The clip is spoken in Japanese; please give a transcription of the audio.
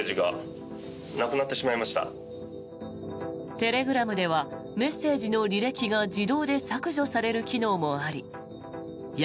テレグラムではメッセージの履歴が自動で削除される機能もあり闇